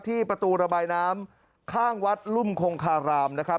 ประตูระบายน้ำข้างวัดรุ่มคงคารามนะครับ